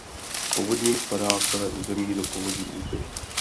Povodím spadá celé území do povodí Úpy.